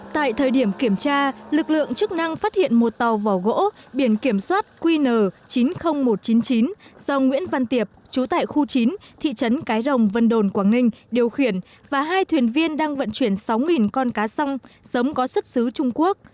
tại thời điểm kiểm tra lực lượng chức năng phát hiện một tàu vỏ gỗ biển kiểm soát qn chín mươi nghìn một trăm chín mươi chín do nguyễn văn tiệp trú tại khu chín thị trấn cái rồng vân đồn quảng ninh điều khiển và hai thuyền viên đang vận chuyển sáu con cá song sống có xuất xứ trung quốc